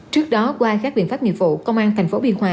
trước đó qua các biện pháp nghiệp vụ công an thành phố biên hòa